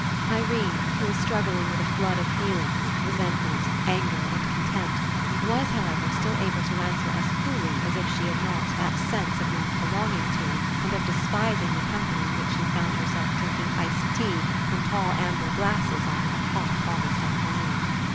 Irene, who was struggling with a flood of feelings, resentment, anger, and contempt, was, however, still able to answer as coolly as if she had not that sense of not belonging to and of despising the company in which she found herself drinking iced tea from tall am ber glasses on that hot August afternoon.